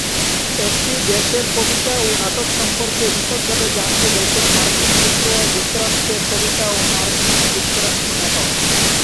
এই দেশের কবিতা ও নাটক সম্পর্কে বিশদভাবে জানতে দেখুন মার্কিন যুক্তরাষ্ট্রের কবিতা ও মার্কিন যুক্তরাষ্ট্রের নাটক।